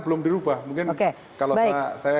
belum dirubah mungkin kalau saya